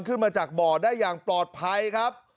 ขึ้นมาจากบ่อได้อย่างปลอดภัยครับ